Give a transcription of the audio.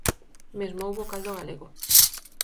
Mesmo houbo caldo galego.